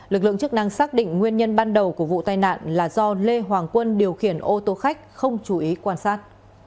lực lượng chức năng xác định nguyên nhân ban đầu của vụ tai nạn là do lê hoàng quân điều khiển ô tô khách không chú ý quan sát